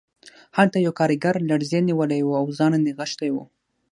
هلته یو کارګر لړزې نیولی و او ځان یې نغښتی و